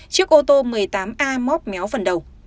chiếc ô tô một mươi tám a móc méo phần đầu